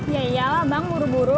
ya iyalah bang buru buru